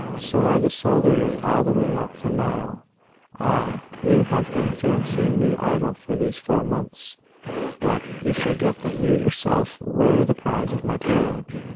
So are the soldiery all the way up the Nile. Ah! you have been fancying me idle for these four months, but You forget that you yourself were the prize of my toil.